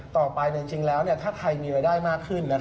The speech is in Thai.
ต่อไปจริงแล้วถ้าใครมีรายได้มากขึ้น